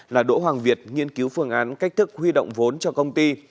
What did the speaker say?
là đỗ hoàng việt nghiên cứu phương án cách thức huy động vốn cho công ty